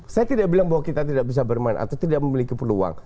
saya tidak bilang bahwa kita tidak bisa bermain atau tidak memiliki peluang